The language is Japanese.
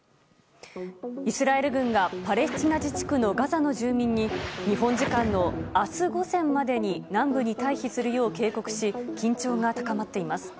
イスラエル軍がパレスチナ自治区のガザの住民に日本時間の明日午前までに南部に退避するよう警告し緊張が高まっています。